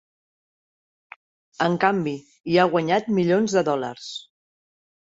En canvi, hi ha guanyat milions de dòlars.